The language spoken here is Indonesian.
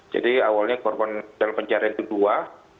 jadi awalnya korban dalam pencarian itu dua